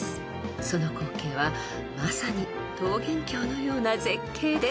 ［その光景はまさに桃源郷のような絶景です］